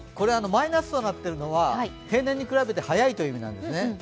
マイナスとなっているのは平年と比べて高いという意味なんですね。